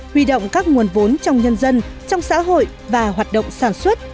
huy động các nguồn vốn trong nhân dân trong xã hội và hoạt động sản xuất